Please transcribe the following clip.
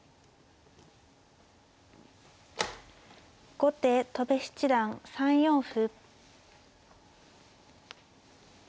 後手戸辺七段３四歩。